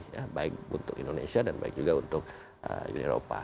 ya baik untuk indonesia dan baik juga untuk uni eropa